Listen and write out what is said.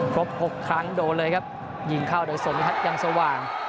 ครบ๖ครั้งโดนเลยครับยิงเข้าโดยสมทัศน์ยังสว่าง